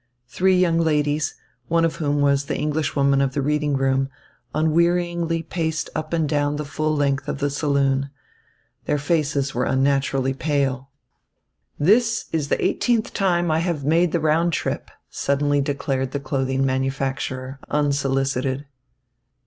Three young ladies, one of whom was the Englishwoman of the reading room, unwearyingly paced up and down the full length of the saloon. Their faces were unnaturally pale. "This is the eighteenth time I have made the round trip," suddenly declared the clothing manufacturer, unsolicited.